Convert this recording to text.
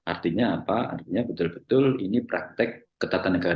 artinya apa artinya betul betul ini praktek ketatanegaraan